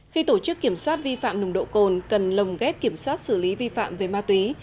khi tổ chức kiểm soát vi phạm nồng độ cồn cần lồng ghép kiểm soát xử lý vi phạm về ma túy